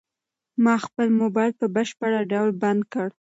ما خپل موبايل په بشپړ ډول بند کړ.